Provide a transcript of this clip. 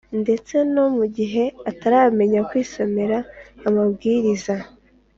ndetse no mu gihe ataramenya kwisomera amabwiriza.